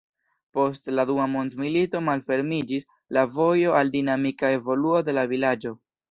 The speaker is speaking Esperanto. Post la dua mondmilito malfermiĝis la vojo al dinamika evoluo de la vilaĝo.